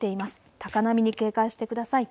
高波に警戒してください。